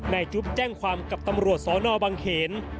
จุ๊บแจ้งความกับตำรวจสนบังเขน